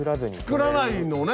作らないのね。